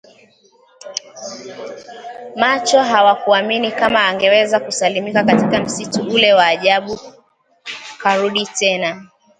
macho hawakuamini kama angeweza kusalimika katika msitu ule wa ajabu karudi tena